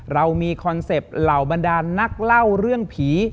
เรามีคอนเซ็ปต์เหล่าบรรดานนักเล่าเรื่องผี